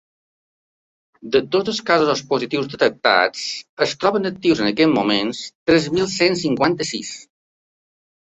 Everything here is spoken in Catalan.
De tots els casos positius detectats, es troben actius en aquests moments tres mil cent cinquanta-sis.